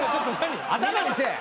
頭にせえ。